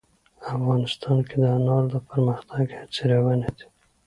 افغانستان کې د انار د پرمختګ هڅې روانې دي.